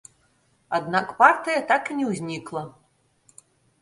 Аднак партыя так і не ўзнікла.